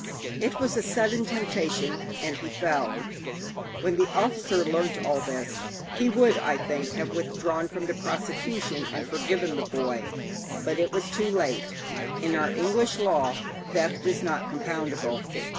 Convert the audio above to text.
It was a sudden temptation, and he fell. When the officer learnt all this, he would, I think, have withdrawn from the prosecution and forgiven the boy; but it was too late. In our English law theft is not compoundable.